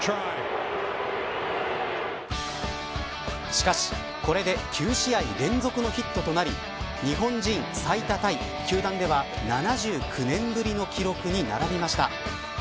しかし、これで９試合連続のヒットとなり日本人最多タイ球団では７９年ぶりの記録に並びました。